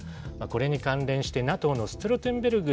これに関連して、ＮＡＴＯのストルテンベルグ